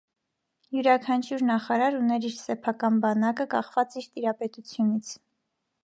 Յուրաքանչյուր նախարար ուներ իր սեփական բանակը, կախված իր տիրապետությունից։